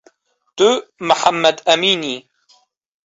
Tu Mihemmed Emîn î